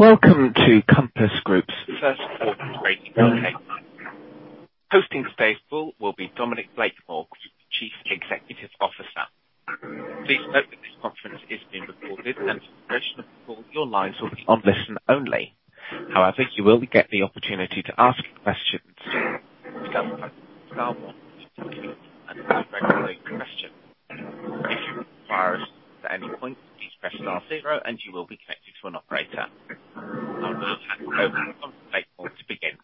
Welcome to Compass Group's first quarter trading update. Hosting today's call will be Dominic Blakemore, Chief Executive Officer. Please note that this conference is being recorded, and for the rest of the call, your lines will be on listen only. However, you will get the opportunity to ask questions. If you require us at any point, please press star zero, and you will be connected to an operator. I'll now hand over to Dominic Blakemore to begin.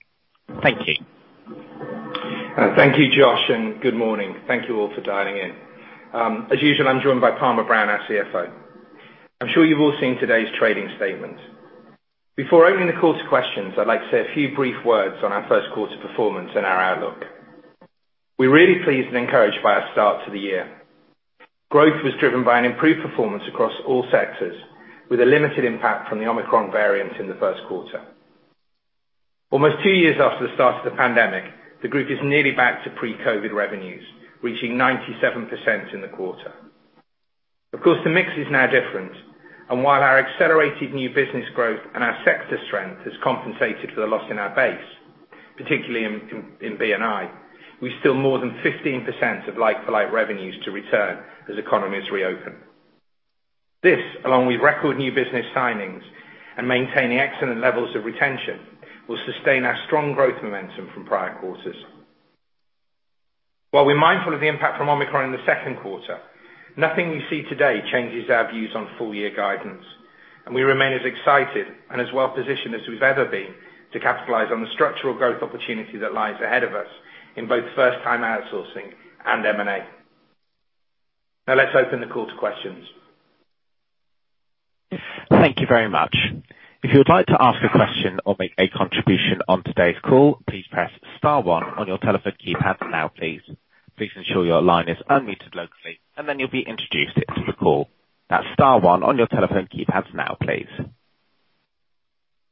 Thank you. Thank you, Josh, and good morning. Thank you all for dialing in. As usual, I'm joined by Palmer Brown, our CFO. I'm sure you've all seen today's trading statement. Before opening the call to questions, I'd like to say a few brief words on our first quarter performance and our outlook. We're really pleased and encouraged by our start to the year. Growth was driven by an improved performance across all sectors with a limited impact from the Omicron variant in the first quarter. Almost two years after the start of the pandemic, the group is nearly back to pre-COVID revenues, reaching 97% in the quarter. Of course, the mix is now different, and while our accelerated new business growth and our sector strength has compensated for the loss in our base, particularly in B&I, we still have more than 15% of like-for-like revenues to return as economies reopen. This, along with record new business signings and maintaining excellent levels of retention, will sustain our strong growth momentum from prior quarters. While we're mindful of the impact from Omicron in the second quarter, nothing we see today changes our views on full-year guidance, and we remain as excited and as well-positioned as we've ever been to capitalize on the structural growth opportunity that lies ahead of us in both first-time outsourcing and M&A. Now let's open the call to questions. Thank you very much. If you would like to ask a question or make a contribution on today's call, please press star one on your telephone keypad now, please. Please ensure your line is unmuted locally, and then you'll be introduced to the call. That's star one on your telephone keypad now, please.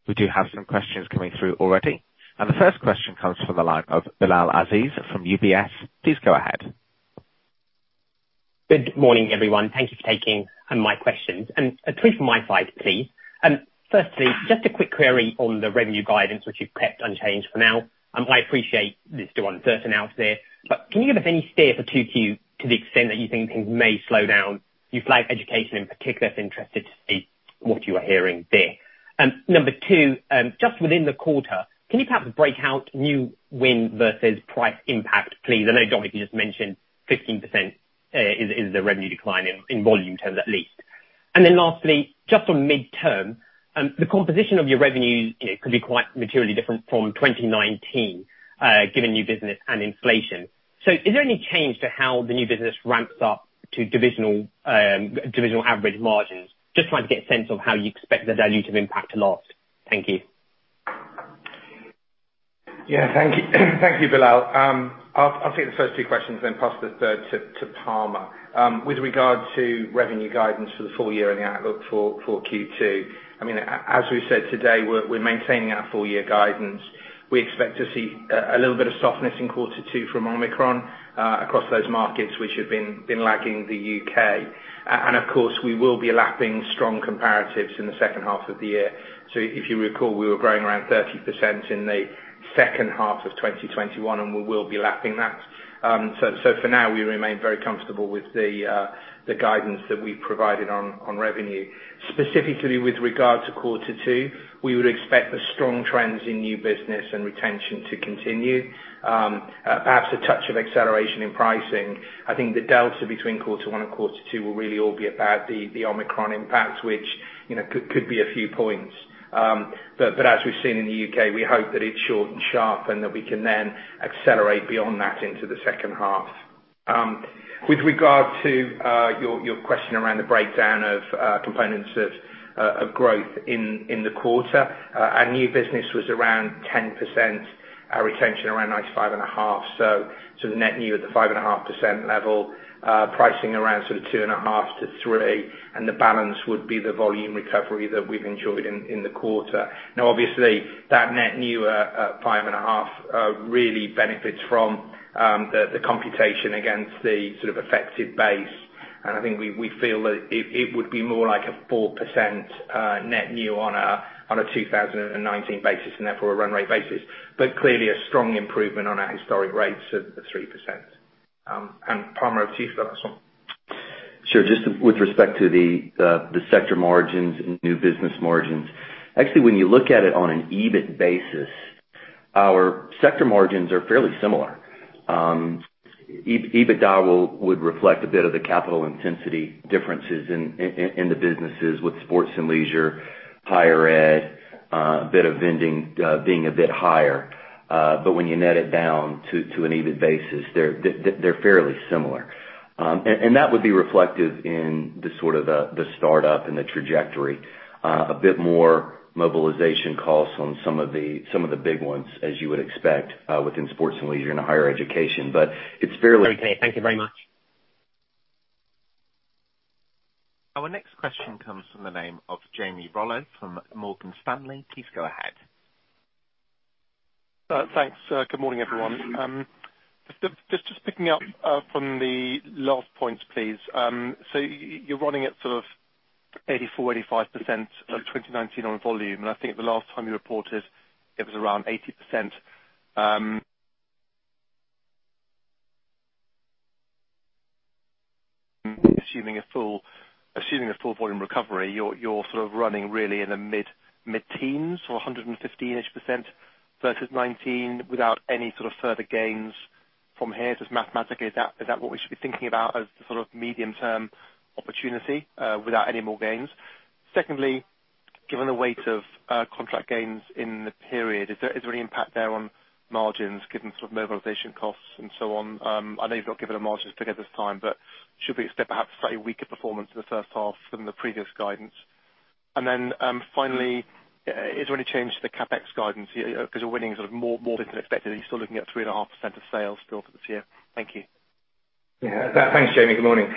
We do have some questions coming through already. The first question comes from the line of Bilal Aziz from UBS. Please go ahead. Good morning, everyone. Thank you for taking my questions. Three from my side, please. First, just a quick query on the revenue guidance, which you've kept unchanged for now, and I appreciate there's still uncertainty out there, but can you give us any steer for Q2 to the extent that you think things may slow down? You flagged education in particular, so interested to see what you are hearing there. Number two, just within the quarter, can you perhaps break out new win versus price impact, please? I know, Dominic, you just mentioned 15% is the revenue decline in volume terms at least. Then lastly, just on midterm, the composition of your revenues, you know, could be quite materially different from 2019, given new business and inflation. Is there any change to how the new business ramps up to divisional average margins? Just trying to get a sense of how you expect the dilutive impact to last. Thank you. Yeah, thank you. Thank you, Bilal. I'll take the first two questions then pass the third to Palmer. With regard to revenue guidance for the full year and the outlook for Q2, I mean, as we've said today, we're maintaining our full year guidance. We expect to see a little bit of softness in quarter two from Omicron across those markets which have been lagging the U.K. Of course, we will be lapping strong comparatives in the second half of the year. If you recall, we were growing around 30% in the second half of 2021, and we will be lapping that. For now, we remain very comfortable with the guidance that we've provided on revenue. Specifically with regard to quarter two, we would expect the strong trends in new business and retention to continue, perhaps a touch of acceleration in pricing. I think the delta between quarter one and quarter two will really all be about the Omicron impact, which, you know, could be a few points. As we've seen in the U.K., we hope that it's short and sharp and that we can then accelerate beyond that into the second half. With regard to your question around the breakdown of components of growth in the quarter, our new business was around 10%, our retention around 95.5%. The net new at the 5.5% level, pricing around sort of 2.5%-3%, and the balance would be the volume recovery that we've enjoyed in the quarter. Now obviously, that net new 5.5 really benefits from the comparison against the sort of affected base. I think we feel that it would be more like a 4% net new on a 2019 basis and therefore a run rate basis, but clearly a strong improvement on our historic rates of 3%. Palmer, over to you for the last one. Sure. Just with respect to the sector margins and new business margins, actually, when you look at it on an EBIT basis, our sector margins are fairly similar. EBITDA would reflect a bit of the capital intensity differences in the businesses with sports and leisure, higher ed, a bit of vending, being a bit higher. But when you net it down to an EBIT basis, they're fairly similar. And that would be reflective in the sort of the startup and the trajectory. A bit more mobilization costs on some of the big ones as you would expect, within sports and leisure and higher education. It's fairly- Very clear. Thank you very much. Our next question comes from the line of Jamie Rollo from Morgan Stanley. Please go ahead. Thanks. Good morning, everyone. Just picking up from the last points, please. So you're running at sort of 84%-85% of 2019 on volume, and I think the last time you reported it was around 80%. Assuming a full volume recovery, you're sort of running really in the mid-teens, so 115%-ish versus 2019 without any sort of further gains from here. Just mathematically, is that what we should be thinking about as the sort of medium term opportunity without any more gains? Secondly, given the weight of contract gains in the period, is there any impact there on margins given sort of mobilization costs and so on? I know you've not given a margins figure at this time, but should we expect perhaps slightly weaker performance in the first half than the previous guidance? Finally, is there any change to the CapEx guidance here 'cause you're winning sort of more than expected? Are you still looking at 3.5% of sales still for this year? Thank you. Yeah. Thanks, Jamie. Good morning.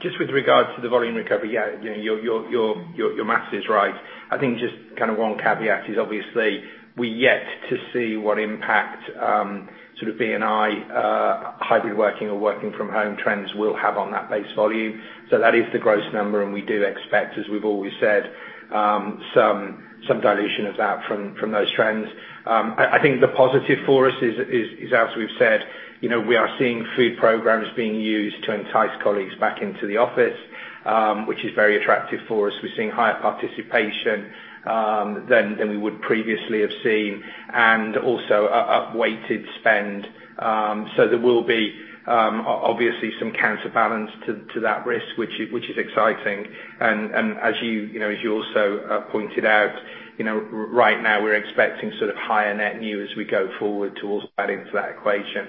Just with regards to the volume recovery, yeah, you know, your math is right. I think just kind of one caveat is obviously we're yet to see what impact sort of B&I hybrid working or working from home trends will have on that base volume. So that is the gross number, and we do expect, as we've always said, some dilution of that from those trends. I think the positive for us is as we've said, you know, we are seeing food programs being used to entice colleagues back into the office, which is very attractive for us. We're seeing higher participation than we would previously have seen, and also up-weighted spend. There will be obviously some counterbalance to that risk, which is exciting. As you know, as you also pointed out, you know, right now we're expecting sort of higher net new as we go forward to also adding to that equation.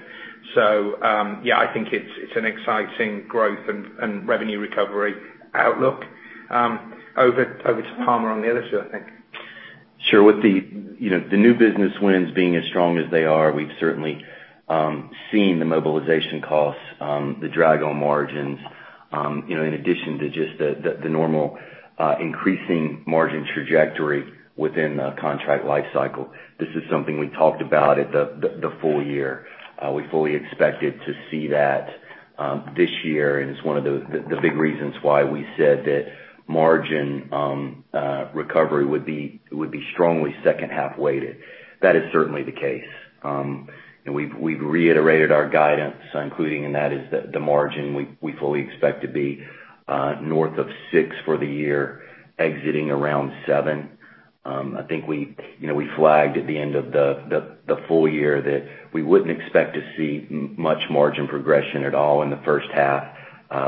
Yeah, I think it's an exciting growth and revenue recovery outlook. Over to Palmer on the other two, I think. Sure. With the, you know, the new business wins being as strong as they are, we've certainly seen the mobilization costs, the drag on margins, you know, in addition to just the normal increasing margin trajectory within the contract life cycle. This is something we talked about at the full year. We fully expected to see that this year, and it's one of the big reasons why we said that margin recovery would be strongly second half weighted. That is certainly the case. We've reiterated our guidance, including in that is the margin we fully expect to be north of 6% for the year, exiting around 7%. I think we, you know, we flagged at the end of the full year that we wouldn't expect to see much margin progression at all in the first half.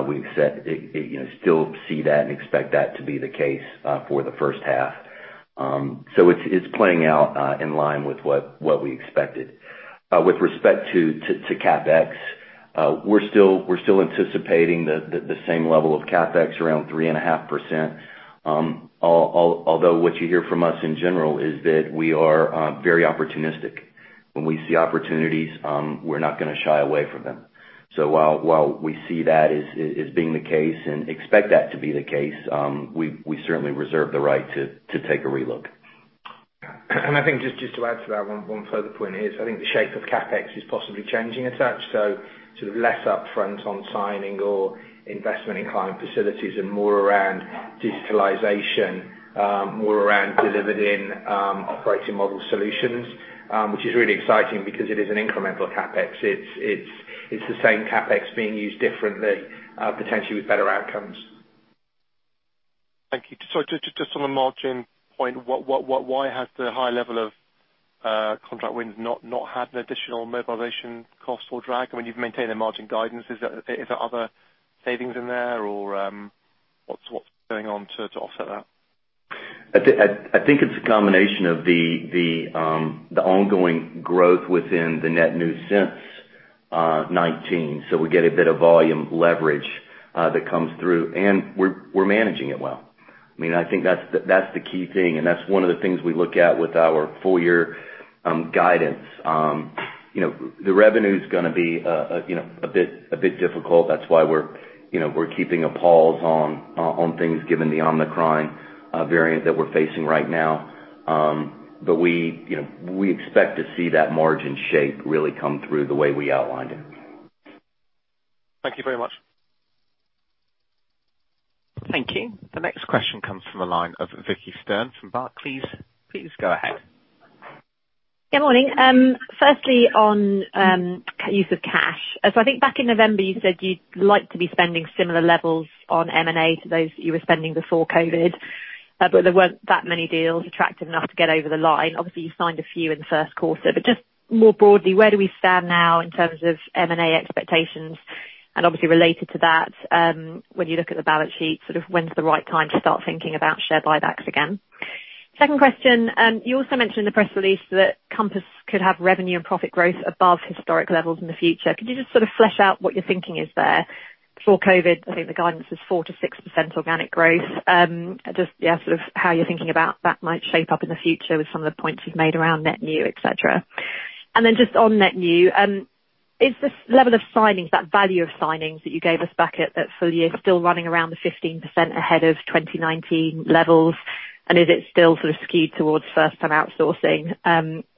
We've said it. You know, we still see that and expect that to be the case for the first half. It's playing out in line with what we expected. With respect to CapEx, we're still anticipating the same level of CapEx around 3.5%, although what you hear from us in general is that we are very opportunistic. When we see opportunities, we're not gonna shy away from them. While we see that as being the case and expect that to be the case, we certainly reserve the right to take a re-look. I think just to add to that one further point here is I think the shape of CapEx is possibly changing a touch, so sort of less upfront on signing or investment in client facilities and more around digitalization, more around delivered-in operating model solutions, which is really exciting because it is an incremental CapEx. It's the same CapEx being used differently, potentially with better outcomes. Thank you. Just on the margin point, why has the high level of contract wins not had an additional mobilization cost or drag? I mean, you've maintained the margin guidance. Is there other savings in there or, what's going on to offset that? I think it's a combination of the ongoing growth within the net new since 2019. We get a bit of volume leverage that comes through, and we're managing it well. I mean, I think that's the key thing, and that's one of the things we look at with our full year guidance. You know, the revenue's gonna be a bit difficult. That's why we're keeping a pause on things given the Omicron variant that we're facing right now. We you know we expect to see that margin shape really come through the way we outlined it. Thank you very much. Thank you. The next question comes from the line of Vicki Stern from Barclays. Please go ahead. Good morning. Firstly on use of cash. I think back in November you said you'd like to be spending similar levels on M&A to those that you were spending before COVID, but there weren't that many deals attractive enough to get over the line. Obviously, you signed a few in the first quarter, but just more broadly, where do we stand now in terms of M&A expectations? Obviously related to that, when you look at the balance sheet, sort of when's the right time to start thinking about share buybacks again? Second question, you also mentioned in the press release that Compass could have revenue and profit growth above historic levels in the future. Could you just sort of flesh out what your thinking is there? Before COVID, I think the guidance was 4%-6% organic growth. Just yeah, sort of how you're thinking about that might shape up in the future with some of the points you've made around net new, et cetera. Then just on net new, is this level of signings, that value of signings that you gave us back at that full year still running around the 15% ahead of 2019 levels? Is it still sort of skewed towards first-time outsourcing?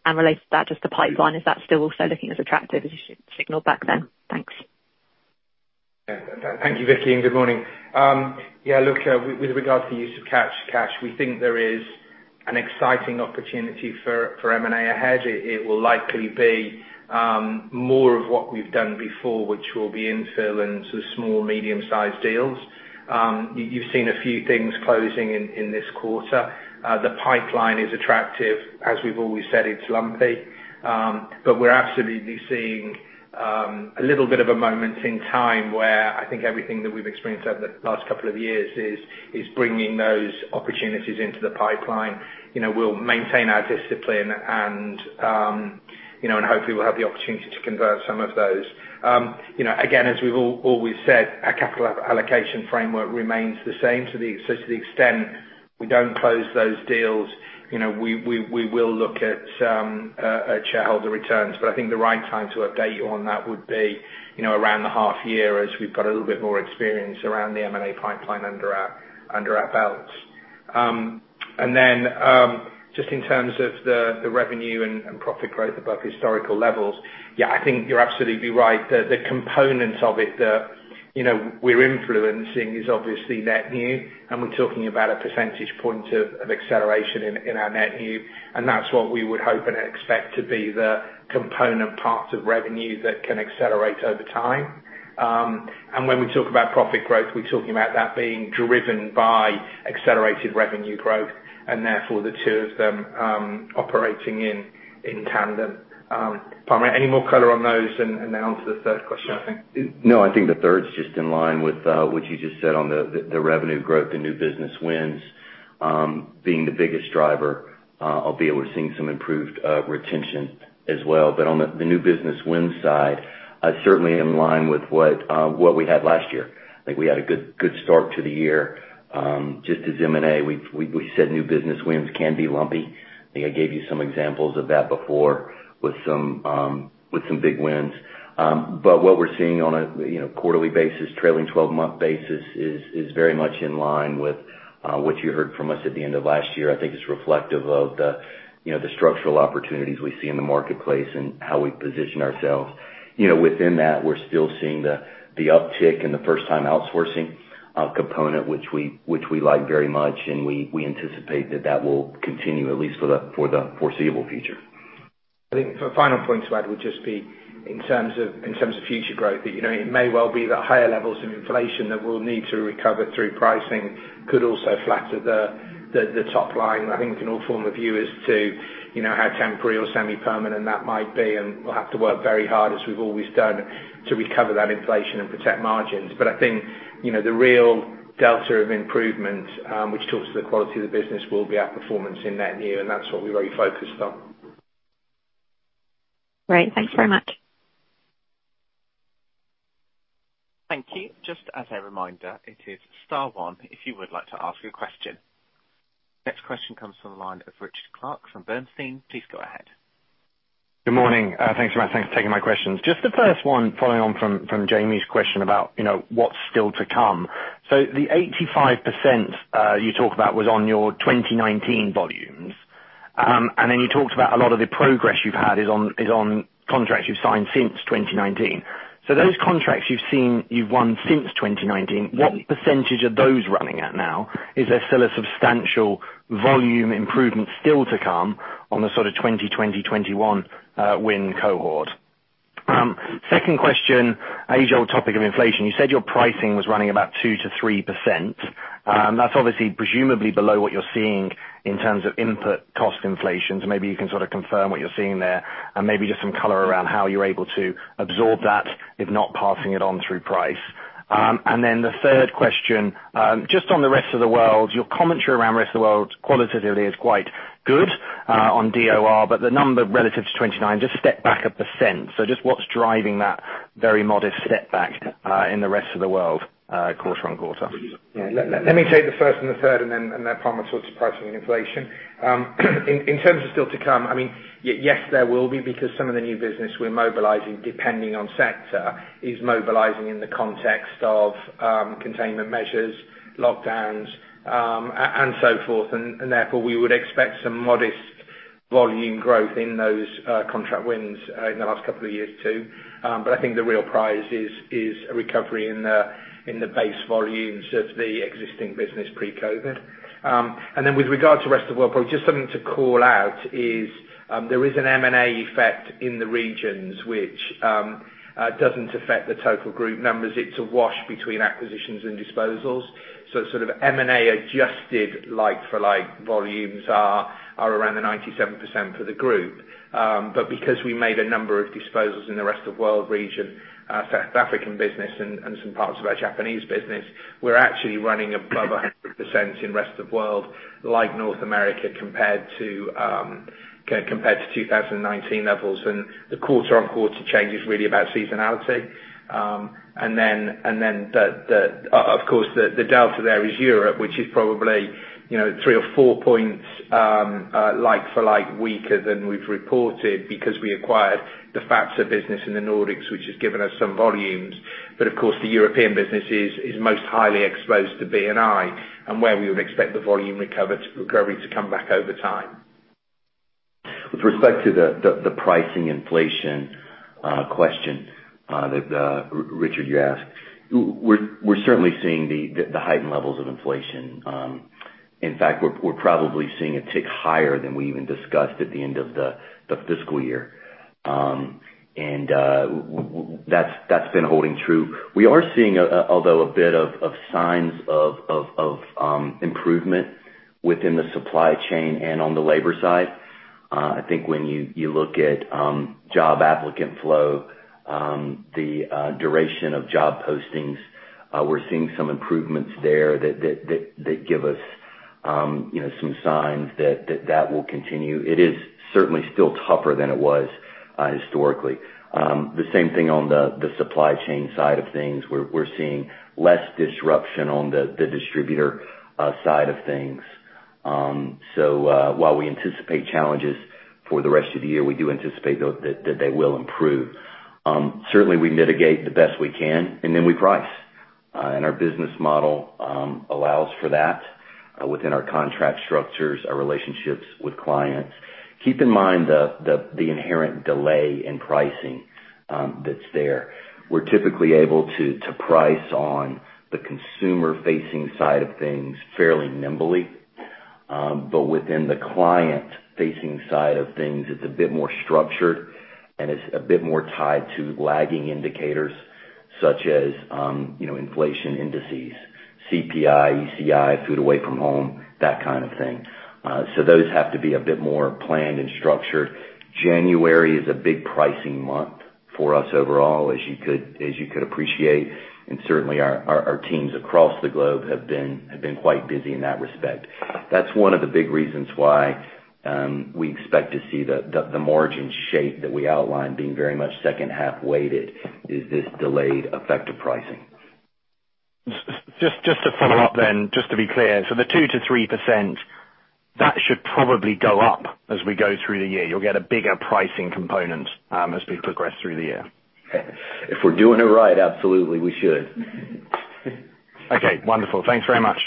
Related to that, just the pipeline, is that still also looking as attractive as you signaled back then? Thanks. Thank you, Vicki, and good morning. With regards to the use of cash, we think there is an exciting opportunity for M&A ahead. It will likely be more of what we've done before, which will be infill and so small, medium-sized deals. You've seen a few things closing in this quarter. The pipeline is attractive. As we've always said, it's lumpy, but we're absolutely seeing a little bit of a moment in time where I think everything that we've experienced over the past couple of years is bringing those opportunities into the pipeline. You know, we'll maintain our discipline and, you know, and hopefully we'll have the opportunity to convert some of those. You know, again, as we've always said, our capital allocation framework remains the same. To the extent we don't close those deals, you know, we will look at shareholder returns. I think the right time to update you on that would be, you know, around the half year as we've got a little bit more experience around the M&A pipeline under our belts. Just in terms of the revenue and profit growth above historical levels, yeah, I think you're absolutely right. The components of it that, you know, we're influencing is obviously net new, and we're talking about a percentage point of acceleration in our net new, and that's what we would hope and expect to be the component parts of revenue that can accelerate over time. When we talk about profit growth, we're talking about that being driven by accelerated revenue growth and therefore the two of them operating in tandem. Palmer, any more color on those, and that answers the third question, I think. No, I think the third's just in line with what you just said on the revenue growth, the new business wins being the biggest driver. Albeit we're seeing some improved retention as well. On the new business wins side, certainly in line with what we had last year. I think we had a good start to the year. Just as M&A, we've said new business wins can be lumpy. I think I gave you some examples of that before with some big wins. What we're seeing on a, you know, quarterly basis, trailing twelve-month basis is very much in line with what you heard from us at the end of last year. I think it's reflective of the, you know, structural opportunities we see in the marketplace and how we position ourselves. You know, within that, we're still seeing the uptick in the first-time outsourcing component, which we like very much, and we anticipate that will continue, at least for the foreseeable future. I think a final point to add would just be in terms of future growth, that, you know, it may well be that higher levels of inflation that we'll need to recover through pricing could also flatter the top line. I think we can all form a view as to, you know, how temporary or semi-permanent that might be, and we'll have to work very hard, as we've always done, to recover that inflation and protect margins. I think, you know, the real delta of improvement, which talks to the quality of the business, will be our performance in net new, and that's what we're very focused on. Great. Thanks very much. Thank you. Just as a reminder, it is star one if you would like to ask a question. Next question comes from the line of Richard Clarke from Bernstein. Please go ahead. Good morning. Thanks for taking my questions. Just the first one following on from Jamie's question about, you know, what's still to come. The 85% you talked about was on your 2019 volumes. Then you talked about a lot of the progress you've had is on contracts you've signed since 2019. Those contracts you've won since 2019, what percentage are those running at now? Is there still a substantial volume improvement still to come on the sort of 2020, 2021 win cohort? Second question, age-old topic of inflation. You said your pricing was running about 2%-3%. That's obviously presumably below what you're seeing in terms of input cost inflation. Maybe you can sort of confirm what you're seeing there and maybe just some color around how you're able to absorb that if not passing it on through price. Then the third question, just on the Rest of World, your commentary around Rest of World qualitatively is quite good, on DOR, but the number relative to 29 just stepped back 1%. Just what's driving that very modest step back, in the Rest of World, quarter-on-quarter? Yeah. Let me take the first and the third and then Palmer will talk to pricing and inflation. In terms of still to come, I mean, yes, there will be because some of the new business we're mobilizing depending on sector is mobilizing in the context of containment measures, lockdowns, and so forth. Therefore, we would expect some modest volume growth in those contract wins in the last couple of years too. I think the real prize is a recovery in the base volumes of the existing business pre-COVID. With regard to Rest of World, probably just something to call out is there is an M&A effect in the regions which doesn't affect the total group numbers. It's a wash between acquisitions and disposals. Sort of M&A adjusted like-for-like volumes are around 97% for the group. Because we made a number of disposals in the Rest of World region, South African business and some parts of our Japanese business, we're actually running above 100% in Rest of World, like North America compared to 2019 levels. The quarter-on-quarter change is really about seasonality. Of course, the delta there is Europe, which is probably, you know, three or four points like-for-like weaker than we've reported because we acquired the Fazer business in the Nordics, which has given us some volumes. Of course, the European business is most highly exposed to B&I and where we would expect the volume recovery to come back over time. With respect to the pricing inflation question that Richard, you asked, we're certainly seeing the heightened levels of inflation. In fact, we're probably seeing it tick higher than we even discussed at the end of the fiscal year. That's been holding true. We are seeing, although a bit of signs of improvement within the supply chain and on the labor side. I think when you look at job applicant flow, the duration of job postings, we're seeing some improvements there that give us, you know, some signs that will continue. It is certainly still tougher than it was historically. The same thing on the supply chain side of things. We're seeing less disruption on the distributor side of things. While we anticipate challenges for the rest of the year, we do anticipate that they will improve. Certainly we mitigate the best we can, and then we price. Our business model allows for that within our contract structures, our relationships with clients. Keep in mind the inherent delay in pricing that's there. We're typically able to price on the consumer-facing side of things fairly nimbly. Within the client-facing side of things, it's a bit more structured, and it's a bit more tied to lagging indicators such as you know, inflation indices, CPI, ECI, food away from home, that kind of thing. Those have to be a bit more planned and structured. January is a big pricing month for us overall, as you could appreciate. Certainly our teams across the globe have been quite busy in that respect. That's one of the big reasons why we expect to see the margin shape that we outlined being very much second half weighted, is this delayed effective pricing. Just to follow up then, just to be clear. The 2%-3%, that should probably go up as we go through the year. You'll get a bigger pricing component as we progress through the year. If we're doing it right, absolutely, we should. Okay, wonderful. Thanks very much.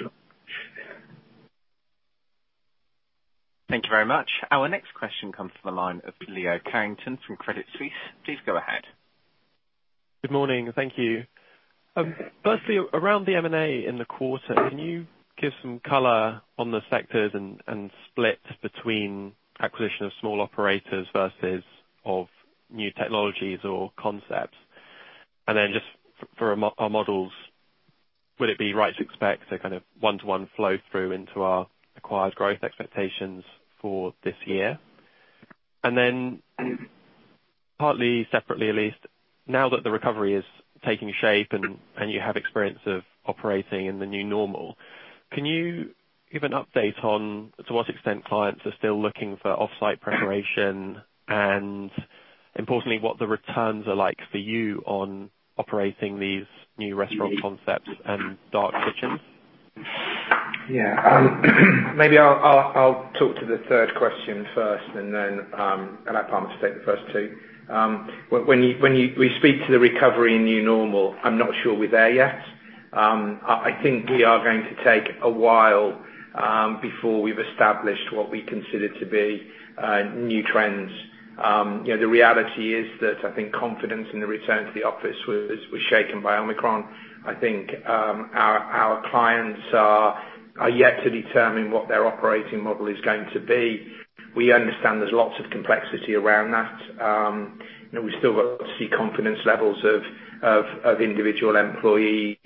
Thank you very much. Our next question comes from the line of Vicki Stern from Credit Suisse. Please go ahead. Good morning, and thank you. Firstly, around the M&A in the quarter, can you give some color on the sectors and splits between acquisition of small operators versus of new technologies or concepts? Then just for our models, would it be right to expect a kind of one-to-one flow through into our acquired growth expectations for this year? Then partly separately, at least, now that the recovery is taking shape and you have experience of operating in the new normal, can you give an update on to what extent clients are still looking for off-site preparation, and importantly, what the returns are like for you on operating these new restaurant concepts and dark kitchens? Yeah. Maybe I'll talk to the third question first, and then I'll let Palmer take the first two. When we speak to the recovery in new normal, I'm not sure we're there yet. I think we are going to take a while before we've established what we consider to be new trends. You know, the reality is that I think confidence in the return to the office was shaken by Omicron. I think our clients are yet to determine what their operating model is going to be. We understand there's lots of complexity around that. You know, we've still got to see confidence levels of individual employees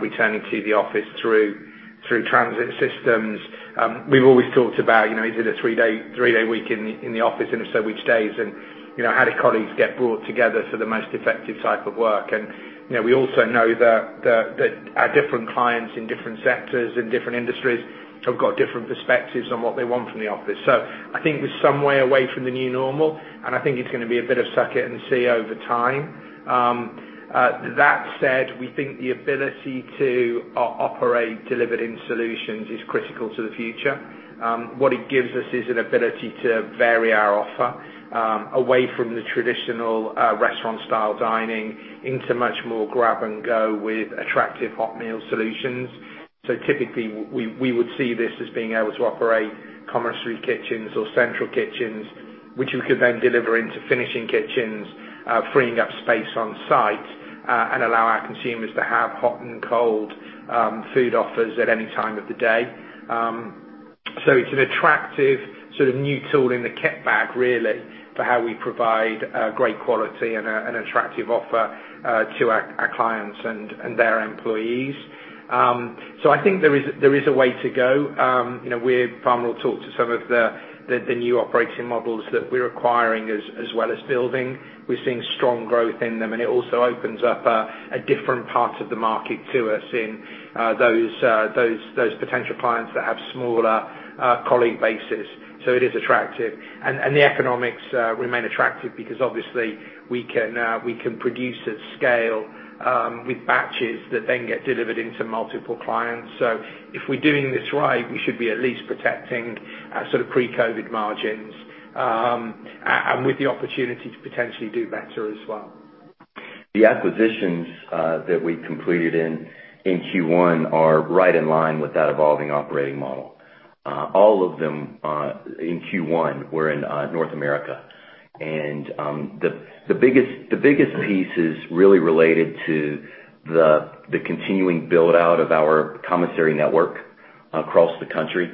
returning to the office through transit systems. We've always talked about, you know, is it a three-day week in the office, and if so, which days? You know, how do colleagues get brought together for the most effective type of work? You know, we also know that our different clients in different sectors and different industries have got different perspectives on what they want from the office. I think we're some way away from the new normal, and I think it's gonna be a bit of suck it and see over time. That said, we think the ability to operate delivering solutions is critical to the future. What it gives us is an ability to vary our offer away from the traditional restaurant style dining into much more grab and go with attractive hot meal solutions. Typically, we would see this as being able to operate commissary kitchens or central kitchens, which we could then deliver into finishing kitchens, freeing up space on site, and allow our consumers to have hot and cold food offers at any time of the day. It's an attractive sort of new tool in the kit bag, really, for how we provide great quality and an attractive offer to our clients and their employees. I think there is a way to go. You know, Palmer will talk to some of the new operating models that we're acquiring as well as building. We're seeing strong growth in them, and it also opens up a different part of the market to us in those potential clients that have smaller colleague bases. It is attractive. The economics remain attractive because obviously we can produce at scale with batches that then get delivered into multiple clients. If we're doing this right, we should be at least protecting our sort of pre-COVID margins and with the opportunity to potentially do better as well. The acquisitions that we completed in Q1 are right in line with that evolving operating model. All of them in Q1 were in North America. The biggest piece is really related to the continuing build-out of our commissary network across the country.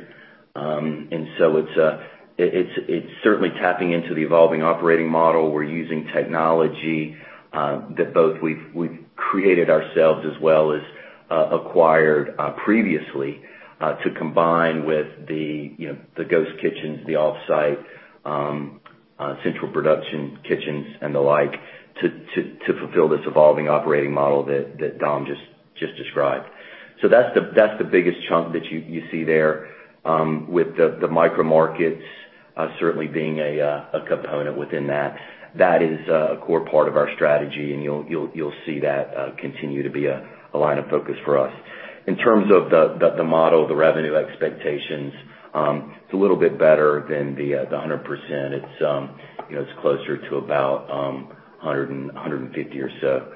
It's certainly tapping into the evolving operating model. We're using technology that both we've created ourselves as well as acquired previously to combine with the, you know, the ghost kitchens, the offsite central production kitchens and the like, to fulfill this evolving operating model that Dom just described. That's the biggest chunk that you see there with the micro markets certainly being a component within that. That is a core part of our strategy, and you'll see that continue to be a line of focus for us. In terms of the model, the revenue expectations, it's a little bit better than the 100%. It's, you know, it's closer to about 150 or so,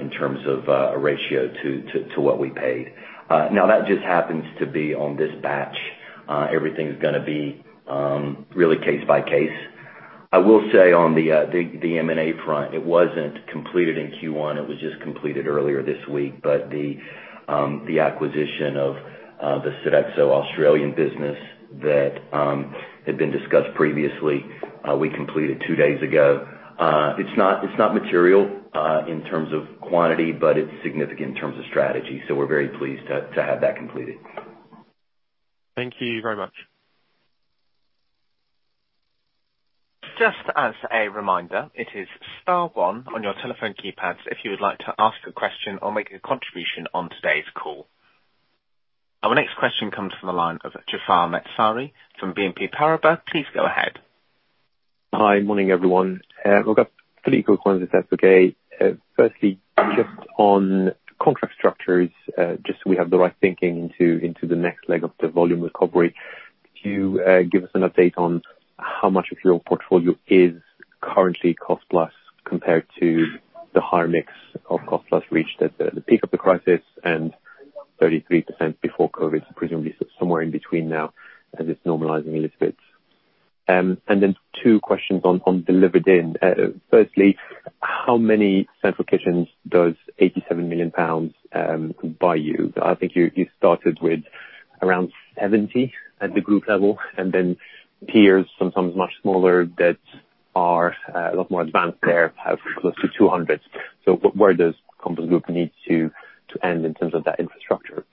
in terms of a ratio to what we paid. Now that just happens to be on this batch. Everything's gonna be really case by case. I will say on the M&A front, it wasn't completed in Q1, it was just completed earlier this week, but the acquisition of the Sodexo Australian business that had been discussed previously, we completed two days ago. It's not material in terms of quantity, but it's significant in terms of strategy, so we're very pleased to have that completed. Thank you very much. Just as a reminder, it is star one on your telephone keypads if you would like to ask a question or make a contribution on today's call. Our next question comes from the line of Jaafar Mestari from BNP Paribas. Please go ahead. Hi. Morning, everyone. We've got Philippe Quanz at. Firstly, just on contract structures, just so we have the right thinking into the next leg of the volume recovery. Could you give us an update on how much of your portfolio is currently cost plus compared to the higher mix of cost plus reached at the peak of the crisis and 33% before COVID, presumably somewhere in between now as it's normalizing a little bit? And then two questions on delivered in. Firstly, how many central kitchens does 87 million pounds buy you? I think you started with around 70 at the group level, and then peers, sometimes much smaller that are a lot more advanced there, have close to 200. So where does Compass Group need to end in terms of that infrastructure?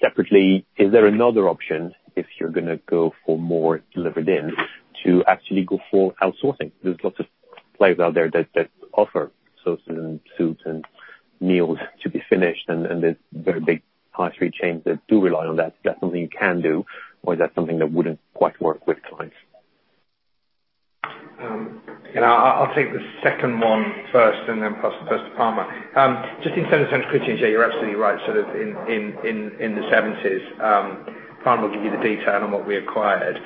Separately, is there another option if you're gonna go for more delivered in to actually go for outsourcing? There's lots of players out there that offer sauces and soups and meals to be finished, and there's very big high street chains that do rely on that. Is that something you can do, or is that something that wouldn't quite work with clients? I'll take the second one first, then pass to Palmer. Just in terms of central kitchens, yeah, you're absolutely right, sort of in the seventies. Palmer will give you the detail on what we acquired.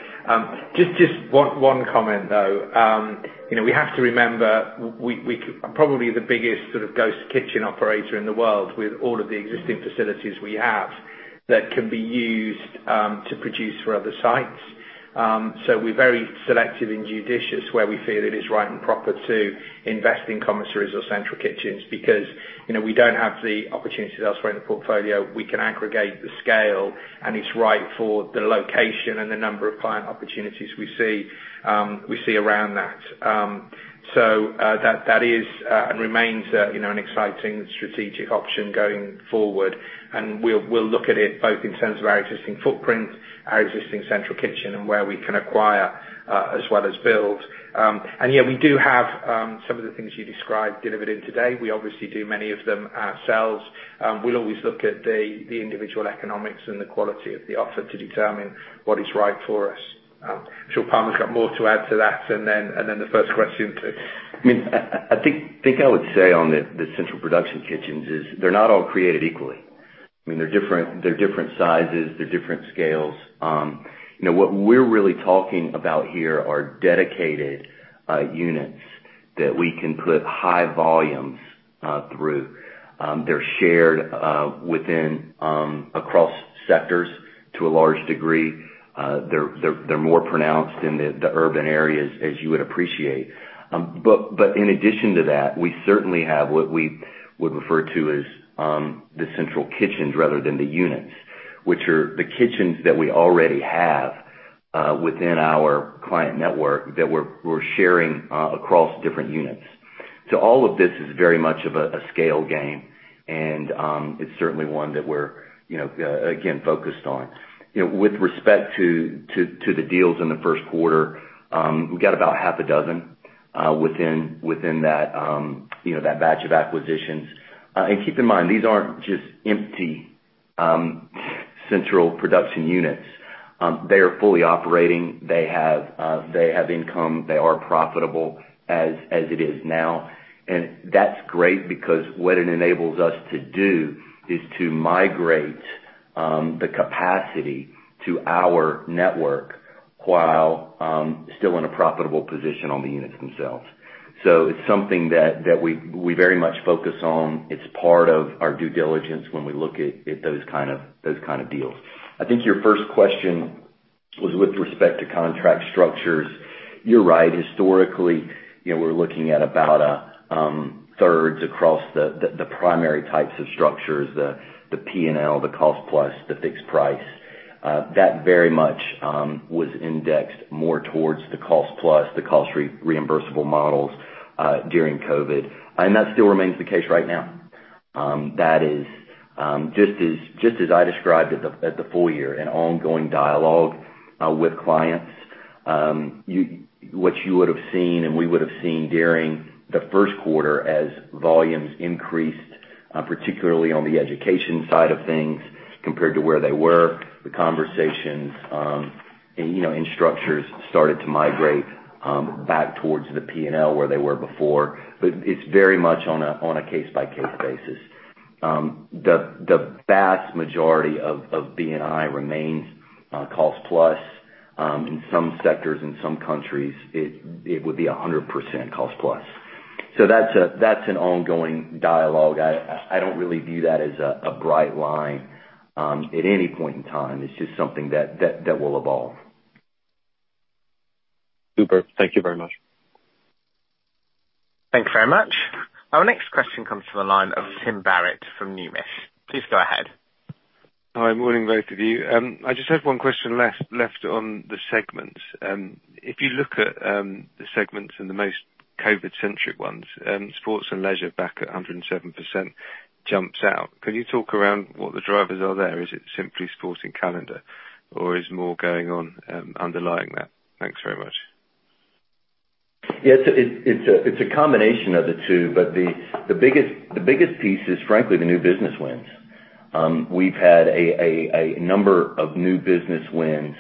Just one comment, though. You know, we have to remember, we're probably the biggest sort of ghost kitchen operator in the world with all of the existing facilities we have that can be used to produce for other sites. We're very selective and judicious where we feel it is right and proper to invest in commissaries or central kitchens because, you know, we don't have the opportunities elsewhere in the portfolio. We can aggregate the scale, and it's right for the location and the number of client opportunities we see around that. That is and remains, you know, an exciting strategic option going forward, and we'll look at it both in terms of our existing footprint, our existing central kitchen, and where we can acquire, as well as build. Yeah, we do have some of the things you described delivered-in today. We obviously do many of them ourselves. We'll always look at the individual economics and the quality of the offer to determine what is right for us. I'm sure Palmer's got more to add to that, and then the first question too. I mean, I think I would say on the central production kitchens is they're not all created equally. I mean, they're different sizes, they're different scales. You know, what we're really talking about here are dedicated units that we can put high volumes through. They're shared within across sectors to a large degree. They're more pronounced in the urban areas, as you would appreciate. But in addition to that, we certainly have what we would refer to as the central kitchens rather than the units, which are the kitchens that we already have within our client network that we're sharing across different units. All of this is very much of a scale game and it's certainly one that we're, you know, again focused on. You know, with respect to the deals in the first quarter, we got about half a dozen within that, you know, that batch of acquisitions. Keep in mind, these aren't just empty central production units. They are fully operating. They have income. They are profitable as it is now. That's great because what it enables us to do is to migrate the capacity to our network while still in a profitable position on the units themselves. It's something that we very much focus on. It's part of our due diligence when we look at those kind of deals. I think your first question was with respect to contract structures. You're right. Historically, you know, we're looking at about a thirds across the primary types of structures, the P&L, the cost plus, the fixed price. That very much was indexed more towards the cost plus, the cost reimbursable models during COVID. That still remains the case right now. That is just as I described at the full year, an ongoing dialogue with clients. What you would have seen and we would have seen during the first quarter as volumes increased, particularly on the education side of things compared to where they were, the conversations and, you know, and structures started to migrate back towards the P&L where they were before. It's very much on a case-by-case basis. The vast majority of B&I remains cost plus in some sectors. In some countries, it would be a hundred percent cost plus. That's an ongoing dialogue. I don't really view that as a bright line at any point in time. It's just something that will evolve. Superb. Thank you very much. Thank you very much. Our next question comes from the line of Tim Barrett from Numis. Please go ahead. Hi. Morning, both of you. I just have one question left on the segments. If you look at the segments and the most COVID-centric ones, sports and leisure back at 107% jumps out. Can you talk around what the drivers are there? Is it simply sporting calendar or is more going on underlying that? Thanks very much. Yeah. It's a combination of the two, but the biggest piece is frankly the new business wins. We've had a number of new business wins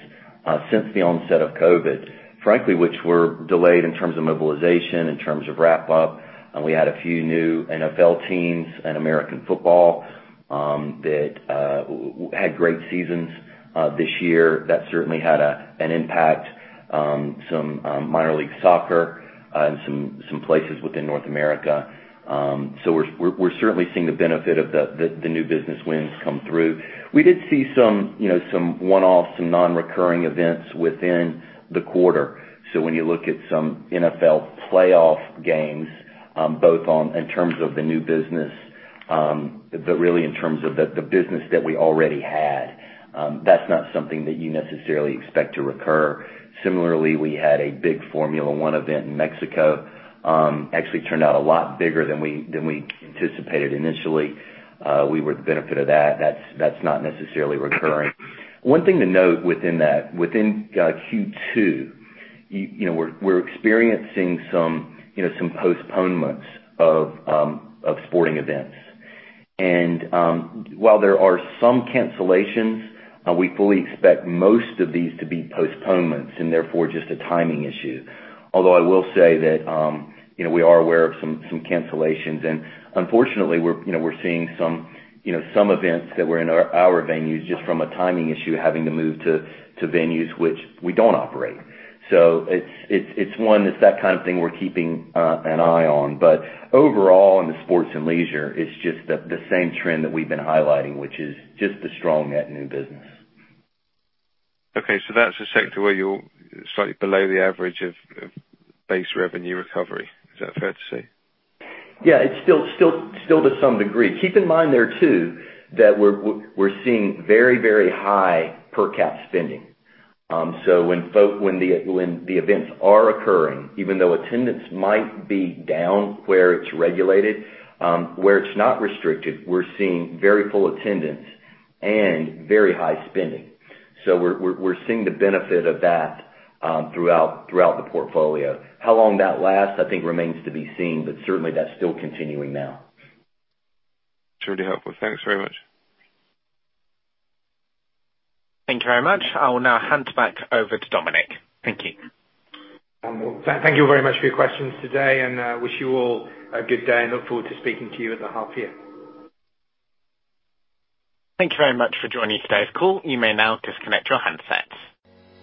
since the onset of COVID, frankly, which were delayed in terms of mobilization, in terms of wrap up. We had a few new NFL teams and American football that had great seasons this year. That certainly had an impact. Some minor league soccer in some places within North America. We're certainly seeing the benefit of the new business wins come through. We did see some, you know, some one-offs, some non-recurring events within the quarter. When you look at some NFL playoff games, both in terms of the new business, but really in terms of the business that we already had, that's not something that you necessarily expect to recur. Similarly, we had a big Formula One event in Mexico that actually turned out a lot bigger than we anticipated initially. We benefited from that. That's not necessarily recurring. One thing to note within that within Q2, you know, we're experiencing some postponements of sporting events. While there are some cancellations, we fully expect most of these to be postponements and therefore just a timing issue. Although I will say that, you know, we are aware of some cancellations. Unfortunately, you know, we're seeing some, you know, events that were in our venues just from a timing issue having to move to venues which we don't operate. It's that kind of thing we're keeping an eye on. Overall, in the sports and leisure, it's just the same trend that we've been highlighting, which is just the strong net new business. Okay. That's a sector where you're slightly below the average of base revenue recovery. Is that fair to say? Yeah. It's still to some degree. Keep in mind there too that we're seeing very high per capita spending. When the events are occurring, even though attendance might be down where it's regulated, where it's not restricted, we're seeing very full attendance and very high spending. We're seeing the benefit of that throughout the portfolio. How long that lasts, I think remains to be seen, but certainly that's still continuing now. It's really helpful. Thanks very much. Thank you very much. I will now hand back over to Dominic. Thank you. Well, thank you very much for your questions today, and I wish you all a good day and I look forward to speaking to you at the half year. Thank you very much for joining today's call. You may now disconnect your handsets.